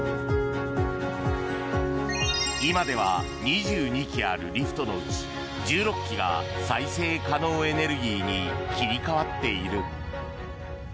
今では２２基あるリフトのうち１６基が再生可能エネルギーに切り替わっている。